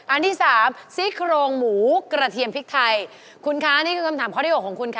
อันที่สามซี่โครงหมูกระเทียมพริกไทยคุณคะนี่คือคำถามข้อที่หกของคุณค่ะ